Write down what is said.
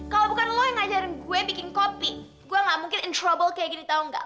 kalau bukan lo yang ngajarin gue bikin kopi gue gak mungkin incrouble kayak gini tau gak